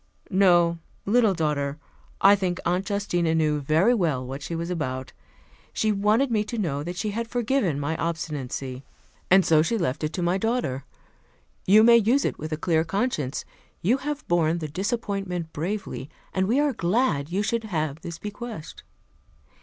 "No, little daughter. I think Aunt Justina knew very well what she was about. She wanted me to know that she had forgiven my obstinacy, and so she left it to my daughter. You may use it with a clear conscience. You have borne the disappointment bravely, and we are glad you should have this bequest."